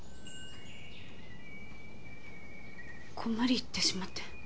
ご無理言ってしまって。